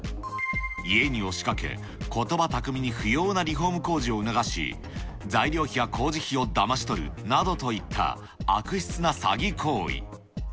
家に押しかけ、ことば巧みに不要なリフォーム工事を促し、材料費や工事費をだまし取るなどといった悪質な詐欺行為。